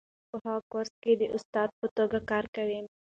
نازیه اوس په هغه کورس کې د استادې په توګه کار کوي.